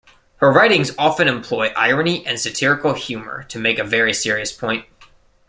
Her writings often employ irony and satirical humor to make a very serious point.